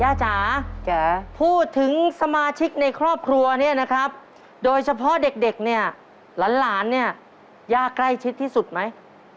ย่าจ๋าพูดถึงสมาชิกในครอบครัวนะครับโดยเฉพาะเด็กร้านเนี่ยย่าใกล้ที่สุดไหม